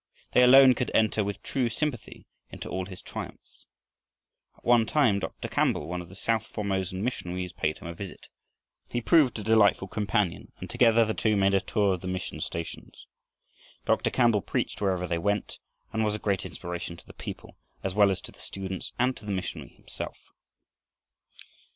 They alone could enter with true sympathy into all his triumphs. At one time Dr. Campbell, one of the south Formosan missionaries, paid him a visit. He proved a delightful companion, and together the two made a tour of the mission stations. Dr. Campbell preached wherever they went and was a great inspiration to the people, as well as to the students and to the missionary himself.